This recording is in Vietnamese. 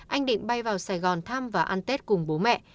anh định bay vào sài gòn thăm và ăn tết cùng bố mẹ